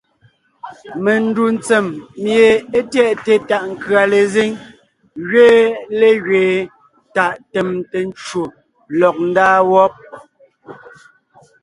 Mendù tsèm mie é tyɛʼte tàʼ nkʉ̀a lezíŋ gẅiin légẅiin tàʼ tèmte ncwò lɔg ńdaa wɔ́b.